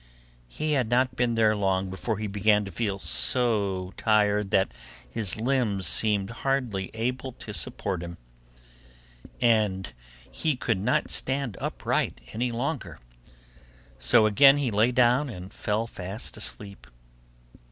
He had not been there long before he began to feel so tired that his limbs seemed hardly able to support him, and he could not stand upright any longer; so again he lay down and fell fast asleep.